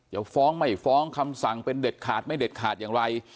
จะฟ้องไม่ฟ้องคำสั่งเป็นเด็ดขาดไม่เด็ดขาดอย่างไร